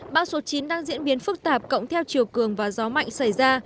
bão số chín đang diễn biến phức tạp cộng theo chiều cường và gió mạnh xảy ra